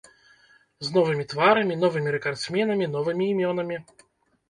З новымі тварамі, новымі рэкардсменамі, новымі імёнамі.